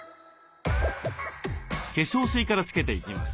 化粧水からつけていきます。